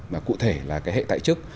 và cụ thể là cái hệ tại chức